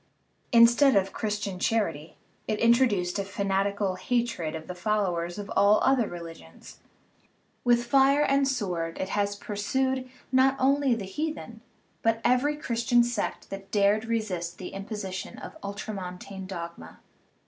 Instead of Christian char THE RIDDLE OF THE UNIVERSE ky, it introduced a fanatical hatred of the followers of all other religions ; with fire and sword it has pursued, not only the heathen, but every Christian sect that dared resist the imposition of ultramontane dogma.